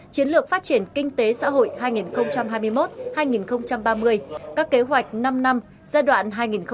chiến lược phát triển kinh tế xã hội hai nghìn hai mươi một hai nghìn ba mươi các kế hoạch năm năm giai đoạn hai nghìn hai mươi một hai nghìn ba mươi